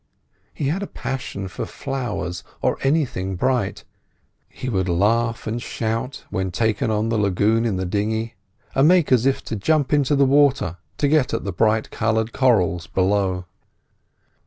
He had a passion for flowers, or anything bright. He would laugh and shout when taken on the lagoon in the dinghy, and make as if to jump into the water to get at the bright coloured corals below.